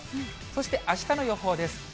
そして、あしたの予報です。